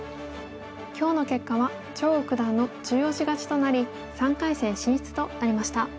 今日の結果は張栩九段の中押し勝ちとなり３回戦進出となりました。